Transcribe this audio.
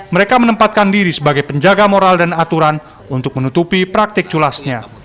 mereka menempatkan diri sebagai penjaga moral dan aturan untuk menutupi praktik culasnya